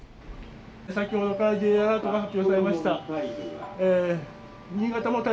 先ほどＪアラートが発表されました。